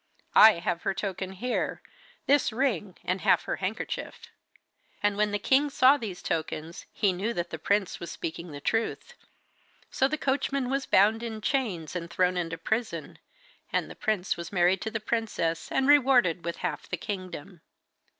I have her token here this ring and half her handkerchief.' And when the king saw these tokens he knew that the prince was speaking the truth. So the coachman was bound in chains and thrown into prison, and the prince was married to the princess and rewarded with half the kingdom.